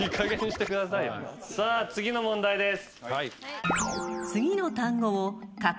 さあ次の問題です。